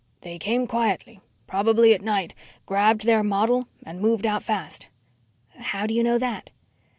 They came quietly, probably at night, grabbed their model, and moved out fast." "How do you know that?"